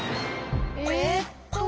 えっと。